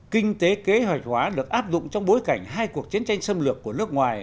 kinh tế kế hoạch hóa được áp dụng trong bối cảnh hai cuộc chiến tranh xâm lược của nước ngoài